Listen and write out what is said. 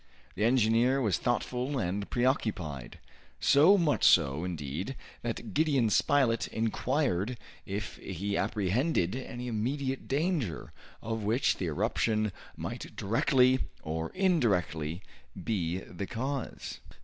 The engineer was thoughtful and preoccupied, so much so, indeed, that Gideon Spilett inquired if he apprehended any immediate danger, of which the eruption might directly or indirectly be the cause.